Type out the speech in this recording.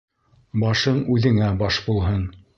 Башың үҙеңә баш булһын.